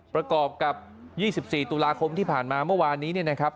ประกอบกับ๒๔ตุลาคมที่ผ่านมาเมื่อวานนี้เนี่ยนะครับ